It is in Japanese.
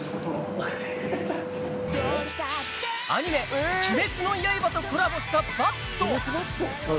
アニメ、鬼滅の刃とコラボしたバット。